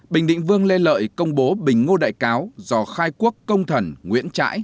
bình định vương lê lợi công bố bình ngô đại cáo do khai quốc công thần nguyễn trãi